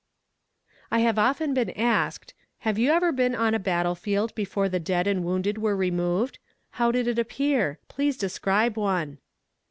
'" I have often been asked: "Have you ever been on a battle field before the dead and wounded were removed?" "How did it appear?" "Please describe one."